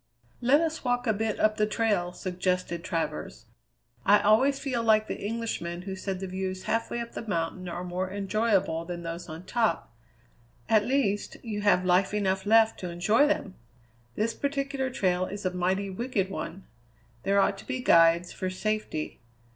"Let us walk a bit up the trail," suggested Travers. "I always feel like the Englishman who said the views halfway up a mountain are more enjoyable than those on top. At least, you have life enough left to enjoy them. This particular trail is a mighty wicked one. There ought to be guides, for safety.